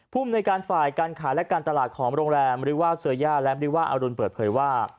ภูมิในการฝ่ายการขายและการตลาดของโรงแรมเสื้อย่าและอรุณเปิดเพยว่า